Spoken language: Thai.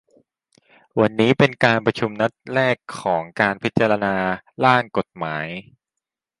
วันนี้เป็นการประชุมนัดแรกของการพิจารณาร่างกฎหมาย